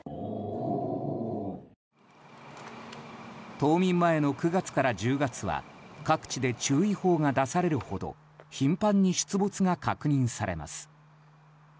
冬眠前の９月から１０月は各地で注意報が出されるほど頻繁に出没が確認されます。